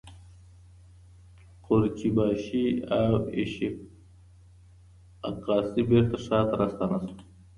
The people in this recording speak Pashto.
قورچي باشي او ایشیک اقاسي بیرته ښار ته راستانه شول.